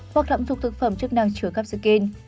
hoặc thẩm thuộc thực phẩm chức năng chữa cắp sạc kênh